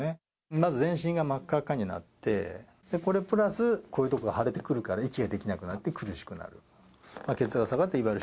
まず全身が真っ赤っかになって、これプラス、こういうところが腫れてくるから、息ができなくなって苦しくなる。